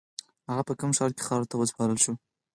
هغه په قم ښار کې خاورو ته وسپارل شو.